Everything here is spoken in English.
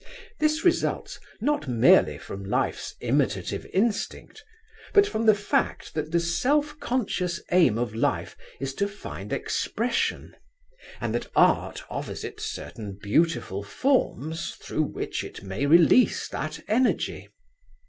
This results not merely from Life's imitative instinct, but from the fact that the self conscious aim of Life is to find expression, and that Art offers it certain beautiful forms through which it may realise that energy.